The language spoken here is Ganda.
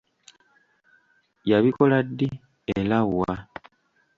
Yabikola ddi era wa?